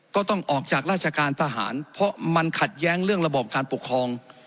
ก็ต้องออกจากราชการทหารเพราะมันขัดแย้งเรื่องระบอบการปกครอง